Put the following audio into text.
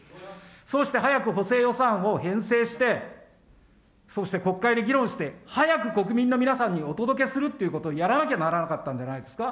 そうして、早く補正予算を編成して、そして国会で議論して、早く国民の皆さんにお届けするっていうことをやらなきゃならなかったんじゃないですか。